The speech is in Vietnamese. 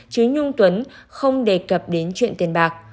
chứ nhung tuấn không đề cập đến chuyện tiền bạc